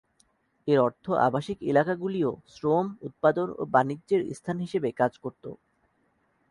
এর অর্থ আবাসিক এলাকাগুলিও শ্রম, উৎপাদন ও বাণিজ্যের স্থান হিসেবে কাজ করত।